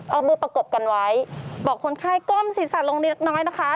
เอามือประกบกันไว้บอกคนไข้ก้มศีรษะลงนิดน้อยนะคะ